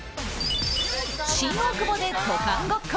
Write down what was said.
新大久保で渡韓ごっこ！